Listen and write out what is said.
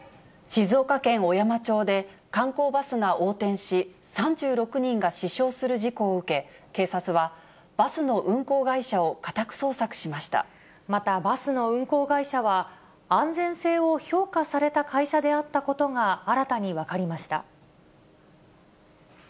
静岡県小山町で、観光バスが横転し、３６人が死傷する事故を受け、また、バスの運行会社は、安全性を評価された会社であったことが新たに分かりました。